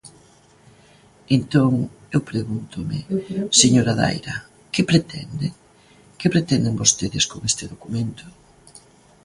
Entón, eu pregúntome, señora Daira: ¿que pretenden?, ¿que pretenden vostedes con este documento?